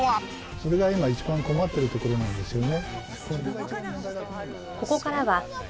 それが今一番困ってるところなんですよね。